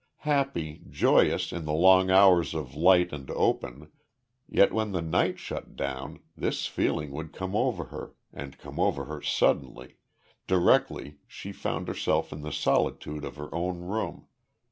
Happy, joyous, in the long hours of light and open, yet when the night shut down, this feeling would come over her and come over her suddenly directly she found herself in the solitude of her own room.